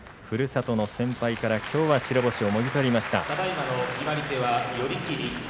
ふるさとの先輩から、きょうは白星をもぎ取りました。